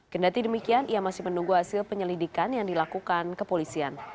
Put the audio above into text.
kendati demikian ia masih menunggu hasil penyelidikan yang dilakukan kepolisian